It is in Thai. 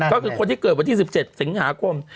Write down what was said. ก็คือคนที่เกิดวันที่๑๗สิงหาคม